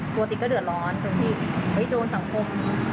ติ๊กก็เดือดร้อนตรงที่โดนสังคม